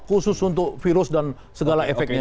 khusus untuk virus dan segala efeknya